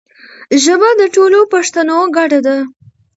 ژبه د ټولو پښتانو ګډه ده.